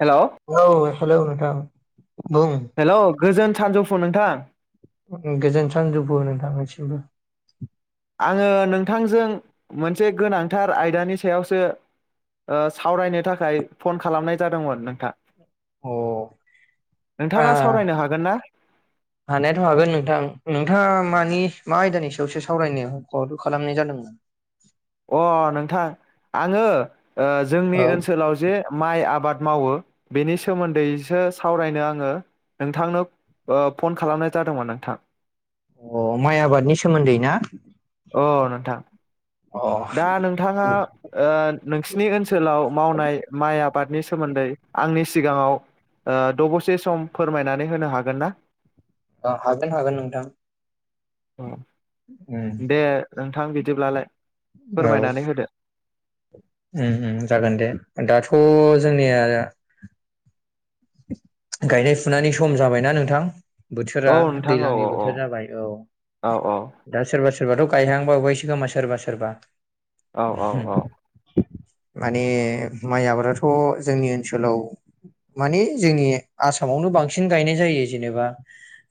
Hello औ hello नोंथां बुंं हेलौ गोजोन सानजौफु नोंथां। गोजोन सानजोफु नोंथांनिसिमबो आङो नोंथांजों मोनसे गोनांथार आयदानि सायावसो ओ सावरायनो थाखाय फन खालामनाय जादोंमोन नोंथां। अ आ नोंथाङा सावरायनो हागोन ना हानायाथ' हागोन नोंथां नोंथाङा मानि मा आयदानि सायावसो सावरायनो ह ख' खालामनाय जादोंमोन। अ नोंथां आङो ओ जोंनि औ ओनसोलाव जे माइ आबाद। मावो बेनि सोमोन्दैसो सावरायनो आङो नोंथांनो ओ फन खालामनाय जादोंमोन नोंथां। अ माइ आबादनि सोमोन्दै ना? अ नोंथां अ दा नोंथाङा ओ नोंसिनि ओनसोलाव मावनाय माइ आबादनि सो सोमोन्दै आंनि सिगाङाव ओ दबसे सम फोरमायनानै होनो हागोन ना अ हागोन हागोन नोंथां। अ उम औ फोरमायनानै होदो उम उम जागोन दे दाथ' जोंनिया गायनाय फुनायनि सम जाबायना नोंथां। बोथोरा औ नोंथां औ दैलांनि औ बोथोर जाबाय औ औ औ दा सोरबा सोर सोरबाथ' गायहांबावयसो खोमा सोरबा सोरबा औ औ औ। माने माइ आबादथ' जोंनि ओनसोलाव माने जोंनि आसामावनो बांसिन गायनाय जायो जेनेबा।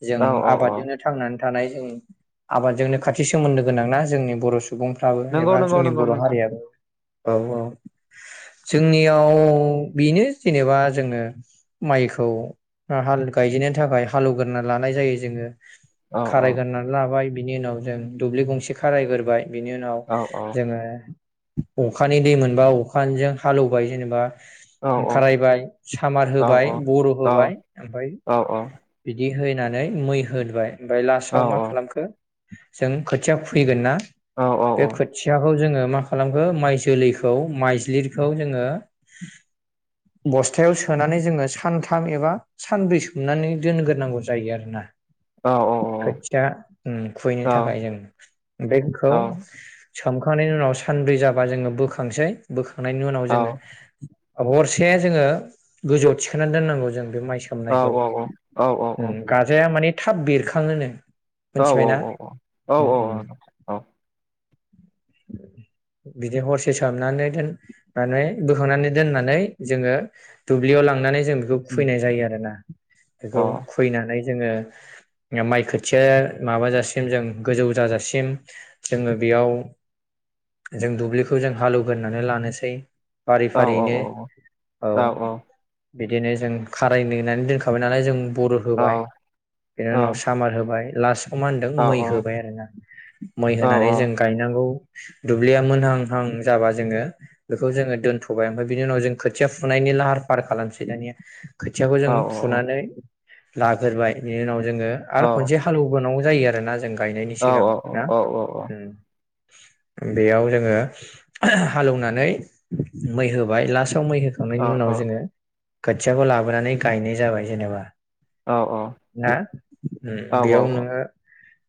जों औ औ औ आबादजोंनो थांनानै। थानाय जायो आबादजोंनो खाथि सोमोन्दो गोनां ना जोंनि बर' सु सुबुंफ्राबो नंगौ एबा नंगौ जोंनि नंगौ बर' नोंथां हारियाबो औ औ जोंनियाव बेनो जेनेबा जोङो माइखौ। खौ हाल गायजेननो थाखाय हालेवगोरना लानाय जायो जोङो। औ औ खारायगारनानै लाबाय। बिनि उनाव जों दुब्लि गंसे खारायगोरोबाय बिनि उनाव औ जोङो अखानि दै मोनबा अखानिजों हालौवबाय जेनेबा। औ खारायबाय सामार औ होबाय। बर' औ होबाय ओमफ्राय औ औ बिदि। दि होनानै मै होबाय ओमफ्राय लासाव औ मा खालामखो। जों खोथिया खुबैगोन ना। औ बे खोथियाखौ जोङो। मा खालामखौ माइ जोलैखौ मायज्लिखौ जोङो बस्थायाव सोनानै जोङो सा सानथाम एबा सानब्रै सोमनानै दोनग्रोनांगौ जायो आरोना। औ औ खोथिया खुबैनो थाखाय जों बेखौ सोमखांनायनि उनाव सानब्रै जाबा जोङो बोखांसै बो बोखांनायनि उनाव जोङो। हरसे जोङो गोजौआव थि सोना दोननांगौ जों बे माइ सोमनायखौ औ ओ औ गाजाया माने थाब बेरखाङोनो औ औ औ मोनथिबायना औ औ उम औ उम औ औ बिदि हरसे सोमनानै दोन माने बोखांनानै दोननानै जोङो दुब्लियाव लांनानै जों बेखौ खुबैनाय जायो आरोना बेखौ खुबैनानै। जोङो माइ खोथिया माबाजासिम जों गोजौ जाजासिम जोङो बेयाव जों दुब्लिखौ जों हालेवग्रोनानै लानोसै। फारि औ फारियैनो औ बिदिनो जों खाराय नानै दोनखाबाय नालाय जों बर' होबाय बेनि उनाव सामार होबाय। लास मा होनदों मै होबाय आरोना मै होनानै जों गायनांगौ। दुब्लिया मोनहांहां जाबा जोङो बेखौ जोङो दोनथ'बाय ओमफ्राय बिनि उनाव जों खोथिया फुनायनि लाहार फाहार खालामसै जानिया खोथियाखौ जों फुनानै लाग्रोबाय बिनि उनाव जोङो आरो खनसे हालौनां [unintelligible] जायो आरोना जों गायनायनि सिगां ना बेयाव जोङो हालौवनानै मै होबाय [unintelligible] फसाव मै होखांनायनि उनाव जोङो खोथियाखौ लाबोनानै गायनाय जाबाय जेनेबा औ ना ओम बेयाव नोङो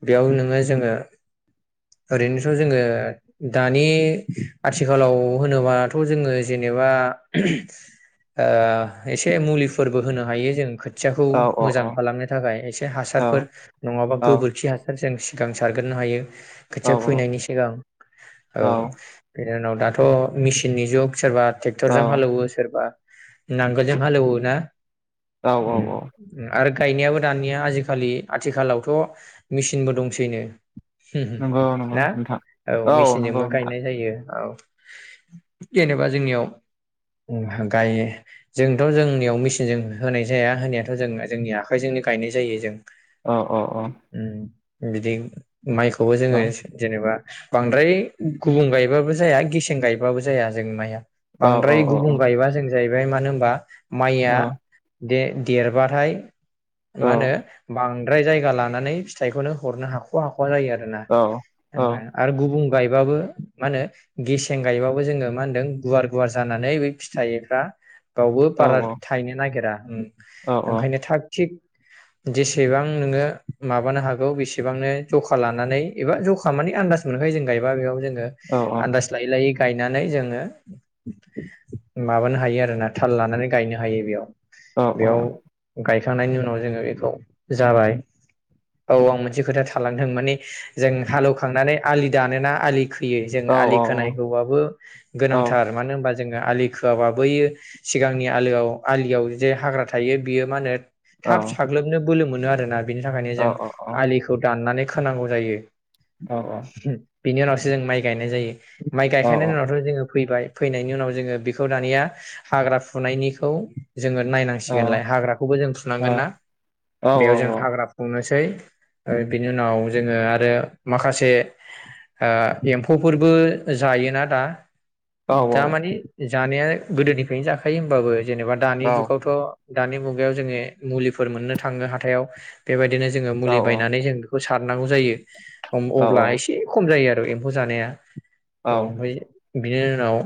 बेयाव नोङो जोङो ओरैनोस' जोङो दानि आथिखालाव होनोबाथ' जोङो जेनेबा एसे मुलिफोरबो होनो हायो जों खो खोथियाखौ मोजां खालामनो थाखाय एसे हासारफोर नङाबा औ गोबोरखि हासारजों सिगां सारग्रोनो हायो खोथिया फैनायनि सिगां औ जनि उनाव दाथ' मेसिननि जुग सोरबा टेक्टरजों हालेवो सोरबा नांगोलजों हालेवो ना ओम आरो गायनायाबो दानिया आजिखालि आथिखालावथ' मेसिनबो दंसैनो ओम नंगौ नंगौ ना नोंथां औ नंगौ मेसिनजोंबो नोंथां गायनाय जायो औ जेनेबा जोंनियाव गाय जोंथ' जोंनियाव मेचिनजों होनाय जाया होनायाथ' जों जोंनि आखाइजोंनो गायनाय जायो जों अ अ अ बिदि माइखौबो जोङो जेनेबा बांद्राय गुबुं गायबाबो जाया गेसें गायबाबो जाया जों माइया औ औ बांद्राय गुबुं गायोबा जों जाहैबाय मानो होन बा माइया औ द देरबाथाय मा होनो बां द्राय जायगा लानानै फिथाइखौनो हरनो हाख' हाख औ [unintelligible] आरो गुबुं गायबाबो मा होनो गेसें गायबाबो जोङो मा होनदों गुवार गुवार जानानै बे फिथाइफ्रा बयावबो बारा थाइनो नागिरा उम ओंखायनो थाग थिग जेसेबां नोङो माबानो हागौ बेसेबांनो जखा लानानै एबा जखा माने आनन्दाज मोनखायो जों गायबा बेयाव जों आन्दाज लायै लायै गायनानै जोङो माबानो हायो आरोना थाल लानानै गायनो हायो बेयाव बेयाव गाय खांनायनि उनाव जोङो एखौ जाबाय औ आं मोनसे खोथा थालांथों माने जों हालौवखांनानै आलि दानोना आलि खोयो जों आलि खोनाय हौबाबो औ गोनांथार मानो होनबा जों जोङो आलि खोआबा बैयो सिगांनि आलोआव आलियाव जे हाग्रा थायो बियो मा होनो औ थाब साग्लोबनो बोलो मोन आरोना बिनि थाखायनो औ जों औ औ आलिखौ दाननानै खोनांगौ जायो औ औ बिनि उनावसो जों माइ गायनाय जायो माइ औ गायखांनायनि औ उनावथ' जोङो फैबाय फैनायनि उनाव जोङो बेखौ दानिया हाग्रा फुनायनिखौ जोङो औ नायनांसिगोनलाय हाग्राखौबो जों फुनांगोन औ ना बेयाव औ जों हाग्रा फुंनोसै बिनि उनाव जोङो आरो माखासे ओ‌ एम्फौफोरबो जायोना दा दा माने जानाया गोदोनि बेनो जाखायो होमबाबो जेनेबा दानि जुगावथ' दानि मुगायाव जोङो मुलिफोर मोननो थाङो हाथायाव बेबायदि। बिनो जोङो मुलि औ बायनानै जों सारनांगौ जायो अब्ला एसे खम जायो आरो आरो एम्फौ जानाया औ ओमफ्राय बिनि उनाव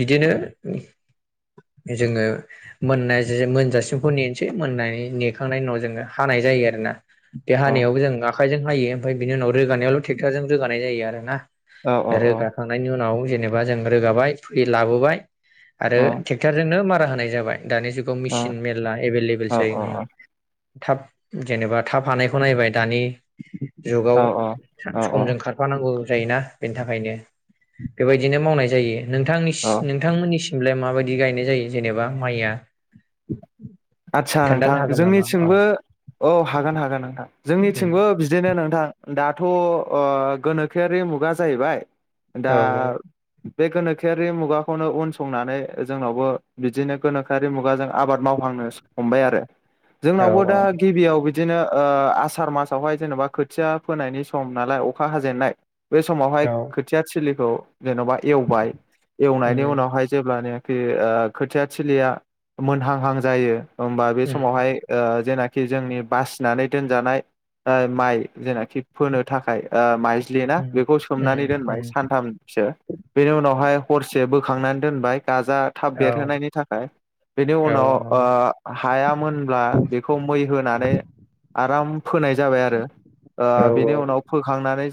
बिदिनो उम जोङो मोननाय जि मोनजासिमखौ नेनसै मोननाय नेखांनायनि उनाव जोङो हानाय जायो आरो ना देहानायावबो जों गा खायजों हायो ओमफाय बिनि उनाव रोगानायावल' टेक्टारजों रोगोनाय जायो आरो ना आरो गाखांनायनि उनाव जेनेबा जों रोगाबाय फ्रि लाबोबाय आरो टेक्टारजोंनो मा फाहानाय जाबाय दानि जुगाव मेसिन मेलला एभेलेबेलसै उम थाब जेनेबा थाब हानायखौ नायबाय दानि जुगाव औ औ समजों खारफानांगौ जायोना बेनि थाखायनो बेबायदिनो मावनाय जायो नोंथांनिस नों निसिमलाय माबायदि गायनाय जायो जेनेबा माइ आ आदसा नोंथां जोंनिथिंबो औ हागोन हागोन नोंथां उम जोंनिथिंबो बिदिनो नोंथां दाथ' ओ गोनोखोआरि मुगा जाहैबाय दा औ बे गोनोखोआरि मुगाखौनो उन संनानै जोंनावबो बिदिनो गोनोखोआ मुगाजों आबाद मावहांनो हमबाय आरो औ जोंनावबो दा औ गिबियाव बिदिनो ओ आसार मासावहाय जेन'बा खोथिया फोनायनि सम नालाय अखा हाजेननाय बे समावहाय औ खोथिया थिलिखौ जेन'बा एवबाय एवनायनि उम उनावहाय जेब्लानो बे ओ खोथिया थिलिया मोनहांहां जायो होमबा बे उम समावहाय ओ जेना खि जोंनि बासिनानै दोनजानाय बा माइ जेनाखि फोनो थाखाय ओ माइ ज्लिना उम बेखौ उम सोमनानै दोनबाय उम सानथामसो बेनि उनावहाय हरसे बोखांनानै दोनबाय गाजा थाब औ बेरहोनायनि थाखाय बेनि औ उनाव ओ नंगौ हायामोनब्ला बेखौ मै होनानै आराम फोनाय जाबाय आरो ओ औ बेनि उम उनाव फोखांनानै [unintelligible] ओ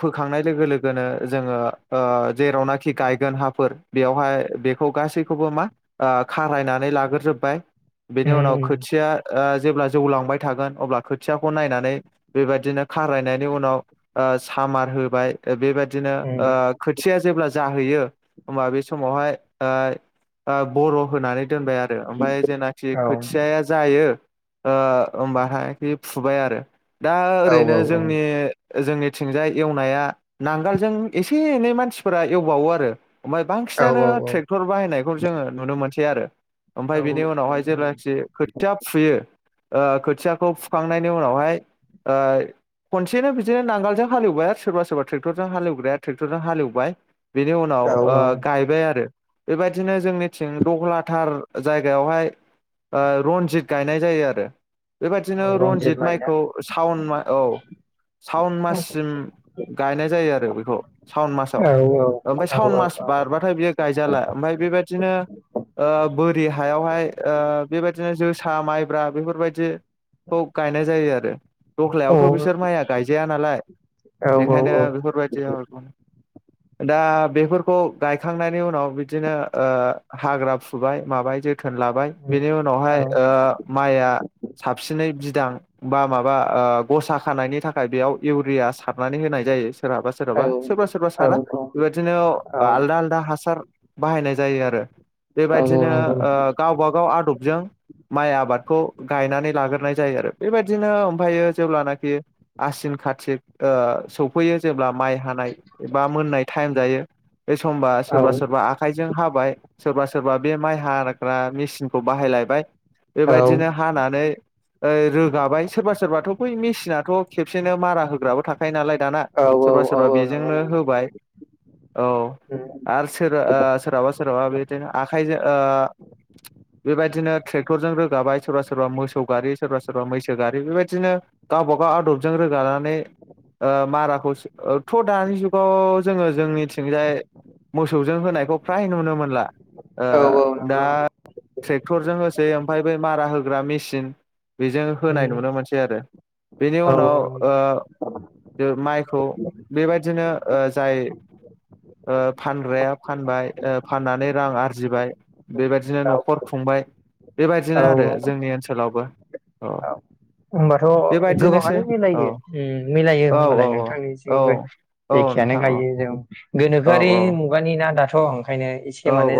फोखांनाय लोगो लोगोनो जोङो ओ जेरावनाखि गायगोन हाफोर बेयावहाय बेखौ गासैखौबो मा ओ खारायनानै लाग्रोजोबबाय बेनि उनाव उम खोथिया ओ जेब्ला जौलांबाय थागोन अब्ला खोथियाखौ नायनानै बेबायदिनो खारायनायनि उनाव ओ सामार होबाय बेबायदि बिदिनो उम, ओ खोथि जेब्ला जाहैयो होमबा बे समावहाय ओ ओ बर' होनानै दोनबाय आरो ओमफ्राय जेनाखि औ खोथियाया जायो ओ ओमबाहाय बे फुबाय आरो दा औ औ ओरैनो जोंनि जोंनिथिंजाय एवनाया नांगोलजों एसे एनै मानसिफोरा एवबावो आरो ओमफ्राय बांसिनानो ट्रेक्टर बायनायखौ नुनो मोनसै आरो ओमफाय बेनि उनावहाय जेब्लाखि खोथिया फुयो ओ खो खोथियाखौ फुखांनायनि उनावहाय ओ खनसेनो बिदिनो नांगोलजों हालेवबाय आरो सोरबा सोरबा ट्रेक्टरजों हालेवग्राया ट्रेक्टरजों हालेवबाय बेनि उनाव औ ओ औ गायबाय आरो बेबायदिनो जोंनिथिं दहलाथार जायगायावहाय ओ रनजित गायनाय जायो आरो बेबायदिनो रनजित माइ ना माइखौ सावन मा औ सावन माससिम गायनाय जायो आरो बेखौ सावन मासाव औ ओमफ्राय औ औ सावन औ मास औ बारबाथाय बियो गायजाला ओमफाय बेबायदि बिदिनो ओ बोरि हायावहाय ओ बेबायदिनो जो सा माइब्रा बेफोरबायदि खौ गायनाय जायो आरो दहलायावथ' उम, बिसोर माइया गायजाया नालाय औ बेखायनो बेफोरबायदि दा बेफोरखौ गायखांनायनि उनाव बिदिनो ओ हाग्रा फुबाय माबाय जे थोन लाबाय बिनि उनावहाय ओ माइआ साबसिनै थां बा माबा गसा खानायनि थाखाय बेयाव इउरिया सारनानै होनाय जायो सोरहाबा औ सोरहाबा सोरबा सोरबा सारा औ बेबायदिनो औ आलदा आलदा हासार बाहायनाय जायो आरो नंगौ बेबायदिनो ओ नोंथां गावबा गाव आदबजों माइ आबादखौ गायनानै लाग्रोनाय जायो आरो बेबायदिनो ओमफ्रायो जेब्लानाखि आसिन खातिक ओ सौफैयो जेब्ला माइ हानाय एबा मोननाय टाइम जायो बे समबा औ सोरबा सोरबा आखाय जों हाबाय सोरबा सोरबा बे माइ हाग्रा मेसिनखौ बाहायलायबाय औ बेबायदिनो हानानै औ रोगाबाय सोरबा सोरबाथ' बै मेसिनाथ' खेबसेनो मारा होग्राबो थाखायो नालाय दाना औ सोरबा सोरबा औ नंगौ बेजोंनो नंगौ होबाय औ उम, आरो सोरबा औ सोरहाबा सोरहाबा बिदिनो आखाइजों ओ बेबायदिनो ट्रेक्टरजों रोगाबाय सोरबा सोरबा मोसौ गारि सोरबा सोरबा मैसो गारि बेबायदिनो गावबागाव आदबजों रोगानानै ओ माराखौ थ' दानि जुगाव जोङो जोंनिथिंजाय मोसौजों होनायखौ फ्राय नुनो मोनला ओ औ औ दा नंगौ ट्रेक्टरजों होसै ओमफाय बे मारा हो [unintelligible] मेसिन बेजों होनाय उम, नुनो मोनसै आरो बेनि औ उनाव नंगौ ओ माइखौ बेबायदिनो ओ जाय ओ फानग्राया फानबाय ओ फाननानै रां आरजिबाय बेबायदिनो न'खर खुंबाय औ बेबायदिनो आरो औ जोंनि ओनसोलावबो औ होमबाथ' बेबायदिनोसै गोबाङानो औ मिलायो उम मिलायो औ औ होनबालाय औ नोंथांसिमबो औ एखेयानो नोंथां औ गायो जों औ गोनोखोआरि औ मुगानि ना दा [unintelligible] औ औ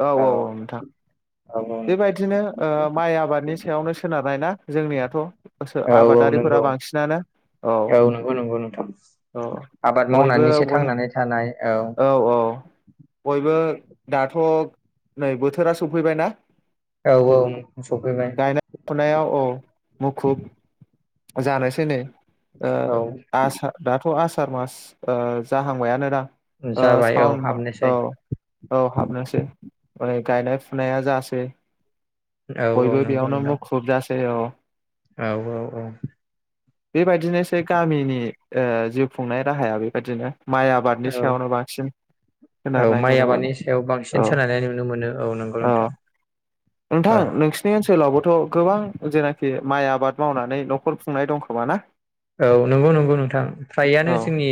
औ औ औ नोंथां औ बेबायदिनो ओ माइ आबादनि सा यावनो सोनारनाय ना जोंनियाथ' औ औ आबादारिफोरा नंगौ बांसिनानो औ नंगौ नंगौ नोंथां औ आबाद बयबो मावनानैसो बय थांनानै थानाय औ औ बय बो दाथ' नै बोथोरा सफैबायना औ औ नोंथां सफैबाय गायनाय फुनायाव औ मुखुब जानोसै नै ओ औ आसा दाथ' आसा सार मास ओ जाहांबायानो ना ओ जाबाय औ सावोन मा औ हाबनोसै औ हाबनोसै माने गायनाय फुनाया जासै औ औ बयबो नंगौ बियावनो नोंथां मुखुब जा जायो औ औ औ औ बे बायदिनोसै गामिनि ओ‌ जिउ खुंनाय राहाया बेबायदिनो माइ आबादनि औ सायावनो बांसिन औ सोनारनाय माइ नुनो मोनो आबादनि सायाव औ बांसिन सोलायनाय नुनो मोनो औ नंगौ नोंथां नोंथां औ नोंसिनि ओनसोलावबोथ' गोबां जेनाखि माइ आबाद मावनानै न'खर खुंनाय दंखोमा ना औ नंगौ नंगौ नोंथां फ्रायानो औ जोंनि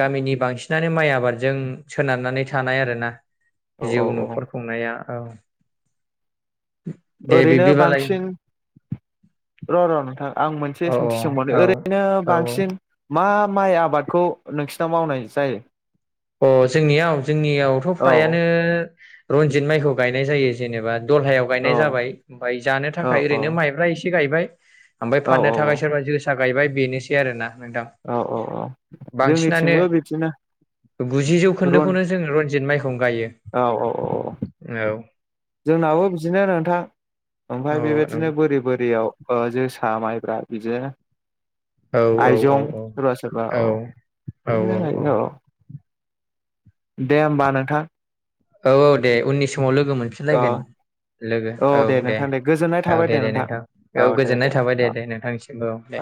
गामिनि बांसिनानो माइ आ आबादजों सोनारनानै थानाय आरोना औ जिउ औ औ न'खर खुंनाया औ दे ओरैनो बिब्दिबालाय बांसिन र र‌ न आं मोनसे औ सोंथि सोंबावो ओरैनो औ औ बांसिन मा माइ आबाद खौ नोंसिनााव मावनाय जायो अ जोंनियाव जोंनियावथ' औ फ्रायानो रनजित माइखौ गायनाय जायो जेनेबा दलहायाव औ गायनाय जाबाय ओमफाय जानो औ थाखाय ओरैनो माइब्रा एसे एसे गायबाय ओमफ्राय औ फाननो थाखाय सोरबा जो फसा गायबाय बेनोसै आरो ना अ अ औ जोंनिथिंबो बिदिनो गुजि जौ रन खोन्दोखौनो जोंङो रनजित माइ फं गायो औ औ औ औ औ जोंनाबो बिदिनो नोंथां ओमफ्राय औ बेबायदिनो नंगौ। बोरि बोरियाव अ जोसा माइब्रा बिदिनो औ औ औ आयजं औ सोरबा सोरबा औ बिदिनो औ दे होमबा नोंथां औ औ दे उननिसिम फुङाव लोगो औ मोनफिनलायगोन लोगो औ दे औ दे दे नोंथां औ गोजोननाय थाबाय दे दे नोंथांनिसिमबो औ दे